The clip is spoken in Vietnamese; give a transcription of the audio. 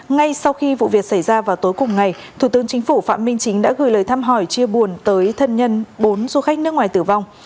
ngay sau khi vụ việc xảy ra vào tối cùng ngày thủ tướng chính phủ phạm minh chính đã gửi lời thăm hỏi chia buồn tới thân nhân bốn du khách nước ngoài tử vong